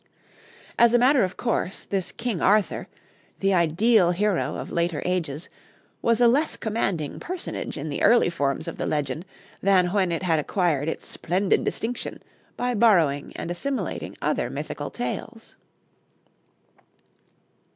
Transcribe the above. As a matter of course, this King Arthur, the ideal hero of later ages, was a less commanding personage in the early forms of the legend than when it had acquired its splendid distinction by borrowing and assimilating other mythical tales.